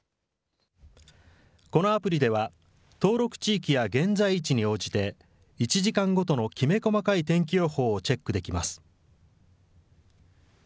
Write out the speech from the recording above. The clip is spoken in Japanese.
このアプリでは登録地域や現在位置に応じて１時間ごとのきめ細かい天気予報をチェックできます。